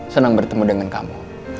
senang bertemu dengan kamu